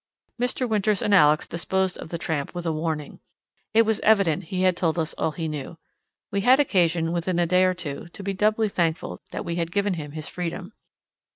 Mr. Winters and Alex disposed of the tramp with a warning. It was evident he had told us all he knew. We had occasion, within a day or two, to be doubly thankful that we had given him his freedom.